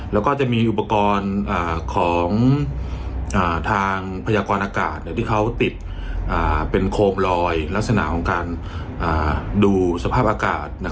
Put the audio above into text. แล้วก็จะมีอุปกรณ์ของทางพยากรอากาศที่เขาติดเป็นโคมลอยลักษณะของการดูสภาพอากาศ